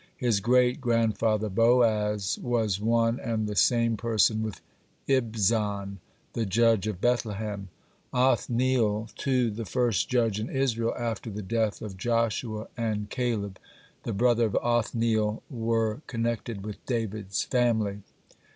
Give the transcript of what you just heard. His great grandfather Boaz was one and the same person with Ibzan, the judge of Bethlehem. (3) Othniel, too, the first judge in Israel after the death of Joshua, and Caleb, (4) the brother of Othniel, were connected with David's family.